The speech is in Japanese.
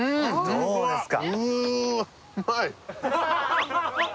どうですか？